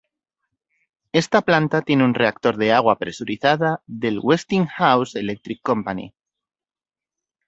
Esta planta tiene un reactor de agua presurizada del "Westinghouse Electric Company".